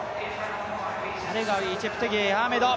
アレガウィ、チェプテゲイ、アーメド。